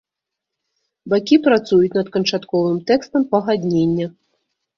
Бакі працуюць над канчатковым тэкстам пагаднення.